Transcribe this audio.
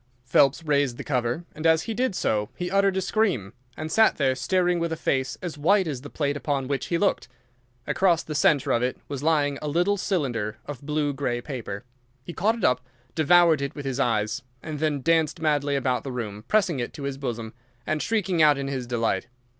Phelps raised the cover, and as he did so he uttered a scream, and sat there staring with a face as white as the plate upon which he looked. Across the centre of it was lying a little cylinder of blue grey paper. He caught it up, devoured it with his eyes, and then danced madly about the room, pressing it to his bosom and shrieking out in his delight.